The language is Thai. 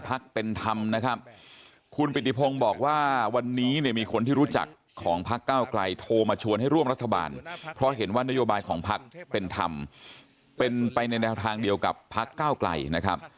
เป็นธรรมนะครับคุณปิติพงศ์บอกว่าวันนี้เนี่ยมีคนที่รู้จักของพักเก้าไกลโทรมาชวนให้ร่วมรัฐบาลเพราะเห็นว่านโยบายของพักเป็นธรรมเป็นไปในแนวทางเดียวกับพักเก้าไกลนะครับ